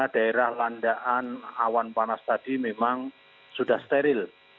dan perbedaan awan panas tadi memang sudah steril